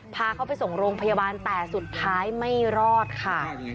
พาเขาไปส่งโรงพยาบาลแต่สุดท้ายไม่รอดค่ะ